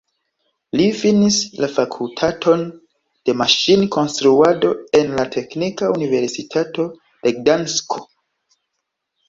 Li finis la Fakultaton de Maŝin-Konstruado en la Teknika Universitato de Gdansko.